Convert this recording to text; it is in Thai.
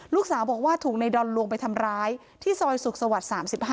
ลูกสาวบอกว่าถูกในดอนลวงไปทำร้ายที่ซอยสุขสวรรค์๓๕